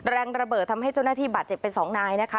แรงระเบิดทำให้เจ้าหน้าที่บาดเจ็บไปสองนายนะคะ